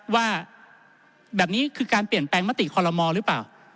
ว่าแบบนี้คือการเปลี่ยนแปลงมติคอลโลมอลหรือเปล่า